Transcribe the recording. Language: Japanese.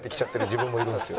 自分もいるんですよ。